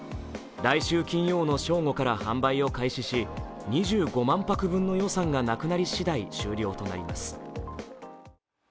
来週金曜の正午から販売を開始し２５万泊分の予算がなくなり次第、終了となります。